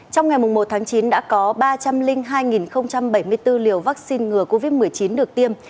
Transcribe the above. trong ngày một tháng chín đã có ba trăm linh hai bảy mươi bốn liều vaccine ngừa covid một mươi chín được tiêm